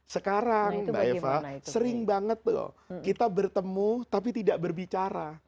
sekarang mbak eva sering banget loh kita bertemu tapi tidak berbicara